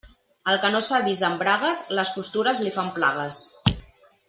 El que no s'ha vist en bragues, les costures li fan plagues.